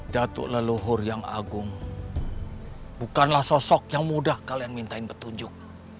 datuk leluhur yang agung bukanlah sosok yang mudah kalian mintain petunjuk